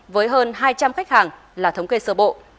với hơn hai trăm linh khách hàng là thống kê sơ bộ